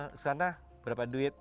susana berapa duit